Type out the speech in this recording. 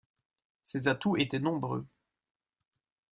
Ses atouts étaient nombreux.